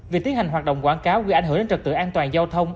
việc tiến hành hoạt động quảng cáo gây ảnh hưởng đến trật tự an toàn giao thông